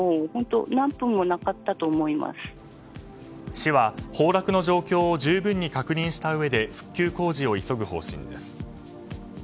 市は崩落の状況を十分に確認したうえで復旧工事を急ぐ方針です。